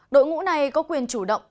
đội ngũ này có quyền chủ động